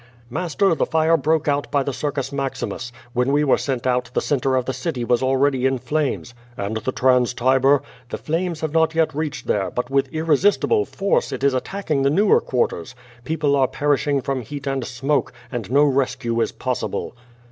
"Master, the fire broke out by the Circus Maximus. When we were sent out, the centre of the city was already in flames." "And the Trans Tiber?" "The flames have not yet reached there, but with irresist ible force, it is attacking the newer quarters. People are per ishing from heat and smoke, and no rescue is possible."